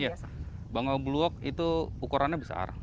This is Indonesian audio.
iya bangau blue walk itu ukurannya besar